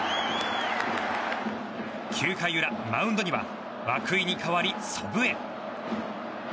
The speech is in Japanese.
９回裏、マウンドには涌井に代わり、祖父江。